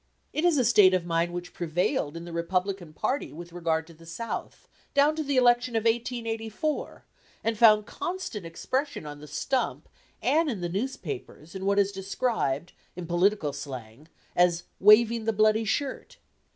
It is a state of mind which prevailed in the Republican party with regard to the South, down to the election of 1884, and found constant expression on the stump and in the newspapers in what is described, in political slang, as "waving the bloody shirt."